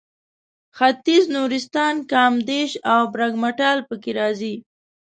ختیځ نورستان کامدېش او برګمټال پکې راځي.